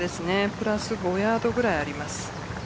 プラス５ヤードぐらいあります。